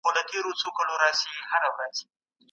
ولي نوی ولسمشر په نړیواله کچه ارزښت لري؟